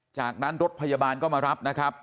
จากนั้นรถพยาบาลก็มารับนะครับ